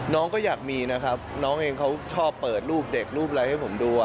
น้องก็อยากมีนะครับน้องเองเขาชอบเปิดรูปเด็กรูปอะไรให้ผมดู